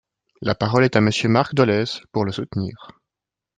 La parole est Monsieur Marc Dolez, pour le soutenir.